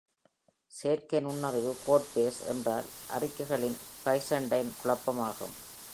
செயற்கை நுண்ணறிவு கோட்பேஸ் என்றால் அறிக்கைகளின் பைசண்டைன் குழப்பமாகும்.